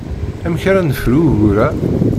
Amek ara nefru ugur-a?